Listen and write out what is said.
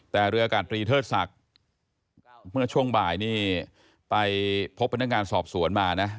แต่เรืออากาศตรีเทิดศักดิ์เมื่อช่วงบ่ายนี่ไปพบพนักงานสอบสวนมานะ